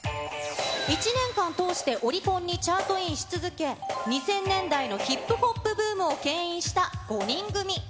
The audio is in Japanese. １年間通してオリコンにチャートインし続け、２０００年代のヒップホップブームをけん引した５人組。